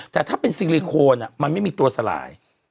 แต่ถ้าเป็นซิลิโคนมันไม่มีตัวสลาย